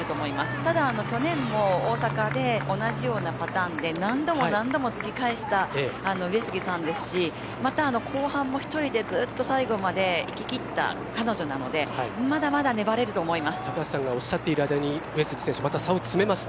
ただ、去年も大阪で同じようなパターンで何度も何度も突き返した上杉さんですしまた、後半も１人でずっと最後まで行ききった彼女なのでまだまだ粘れると思います。